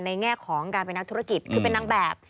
แง่ของการเป็นนักธุรกิจคือเป็นนางแบบ